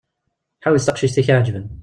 Ḥewwes taqcict i ak-iɛejben.